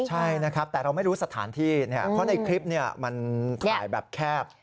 ใช่นะครับแต่เรามีรู้ที่สถานที่เนี่ยเพราะในคลิปเนี่ยมันถ่ายแบบแคบ